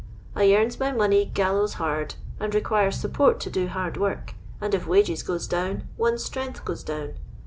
I yams my money gallows hard, and requires support to do hard work, and if wages goes down, one 's strength goes down.